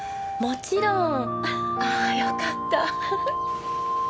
もちろん！ああよかった。